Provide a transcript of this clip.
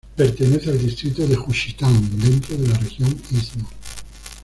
Pertenece al distrito de Juchitán, dentro de la región Istmo.